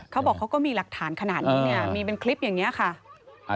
เขาบอกเขาก็มีหลักฐานขนาดนี้มีเป็นคลิปอย่างนี้ค่ะ